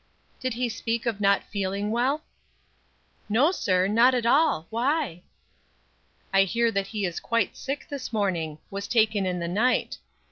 "Did he speak of not feeling well?" "No, sir; not at all. Why?" "I hear that he is quite sick this morning; was taken in the night.